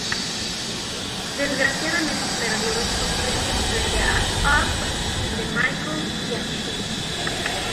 Desgraciadamente perdió estos premios frente a "Up", de Michael Giacchino.